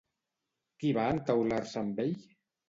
Qui va entaular-se amb ell?